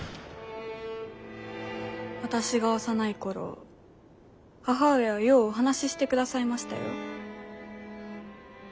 私が幼い頃母上はようお話ししてくださいましたよ。